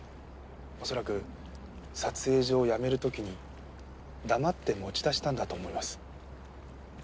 恐らく撮影所を辞める時に黙って持ち出したんだと思います。